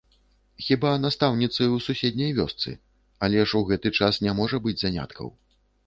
Хіба настаўніцаю ў суседняй вёсцы, але ж у гэты час не можа быць заняткаў.